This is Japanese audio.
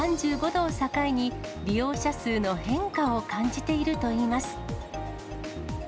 ３５度を境に、利用者数の変化を感じているといいます。